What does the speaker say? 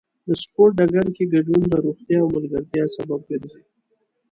د سپورت ډګر کې ګډون د روغتیا او ملګرتیا سبب ګرځي.